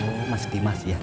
oh mas dimas ya